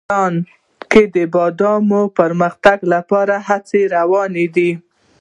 افغانستان کې د بادامو د پرمختګ لپاره هڅې روانې دي.